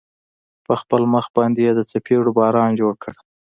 په خپل مخ باندې يې د څپېړو باران جوړ کړ.